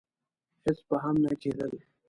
هېڅ به هم نه کېدل.